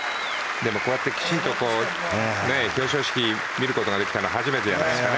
でもこうやってきちんと表彰式を見ることができたのは初めてじゃないですかね。